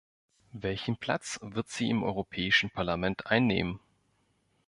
Welchen Platz wird sie im Europäischen Parlament einnehmen?